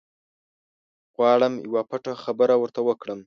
غواړم یوه پټه خبره ورته وکړم.